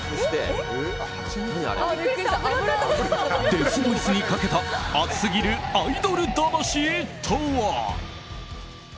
デスボイスにかけた熱すぎるアイドル魂とは。